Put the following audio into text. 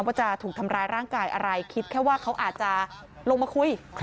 ว่าจะถูกทำร้ายร่างกายอะไรคิดแค่ว่าเขาอาจจะลงมาคุย